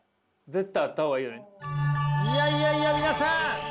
いやいやいや皆さん